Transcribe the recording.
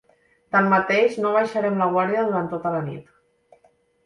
Tanmateix no abaixarem la guàrdia durant tota la nit.